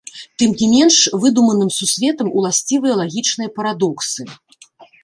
Тым не менш, выдуманым сусветам уласцівыя лагічныя парадоксы.